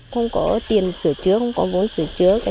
không có tiền sửa chữa không có vốn sửa chữa